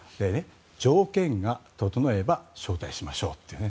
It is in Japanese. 条件が整えば招待しましょうというね。